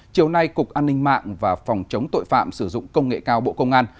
chiều nay cục an ninh mạng và phòng chống tội phạm sử dụng công nghệ cao bộ công an